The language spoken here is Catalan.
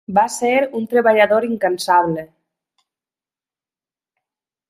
Va ser un treballador incansable.